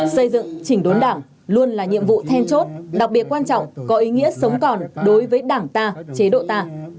xây dựng chỉnh đốn đảng luôn là nhiệm vụ then chốt đặc biệt quan trọng có ý nghĩa sống còn đối với đảng ta chế độ ta